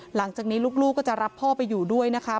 หลังจากนี้ลูกก็จะรับพ่อไปอยู่ด้วยนะคะ